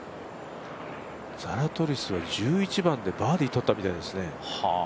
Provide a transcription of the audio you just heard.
ザラトリスは１１番でバーディーとったみたいですね